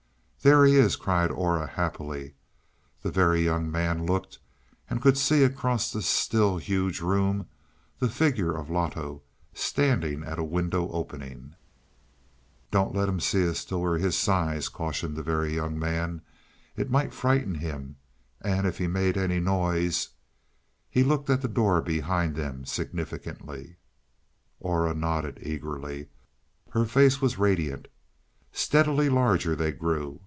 "There he is," cried Aura happily. The Very Young Man looked and could see across the still huge room, the figure of Loto, standing at a window opening. "Don't let him see us till we're his size," cautioned the Very Young Man. "It might frighten him. And if he made any noise " He looked at the door behind them significantly. Aura nodded eagerly; her face was radiant. Steadily larger they grew.